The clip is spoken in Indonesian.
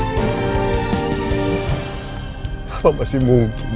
apakah perbuatanmu zooxan banyak seperti tujuan melawang kesal